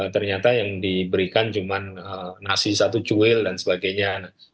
ternyata yang diberikan cuma nasi satu cuil dan sebagainya